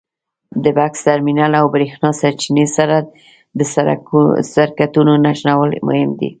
د بکس ټرمینل او برېښنا سرچینې سره د سرکټونو نښلول مهم دي.